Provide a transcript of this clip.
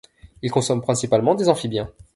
Ils consomment principalement des amphibiens.